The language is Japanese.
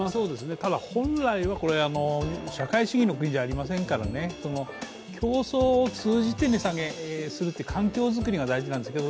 ただ、本来は社会主義の国じゃありませんから、競争を通じて値下げするっていう環境作りが大事なんですけど